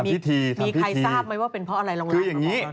มีใครทราบว่าเป็นเพราะอะไรร้อง